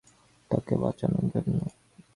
তাকে বাঁচানোর জন্য।